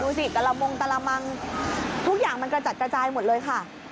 สิกระมงกระมังทุกอย่างมันกระจัดกระจายหมดเลยค่ะ